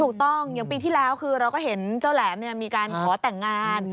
อย่างปีที่แล้วคือเราก็เห็นเจ้าแหลมมีการขอแต่งงาน